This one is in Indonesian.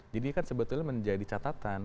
jadi kan sebetulnya menjadi catatan